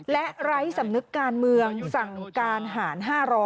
และไร้สำนึกการเมืองสั่งการหาร๕๐๐